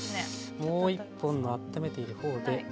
もう一本のあっためているほうで。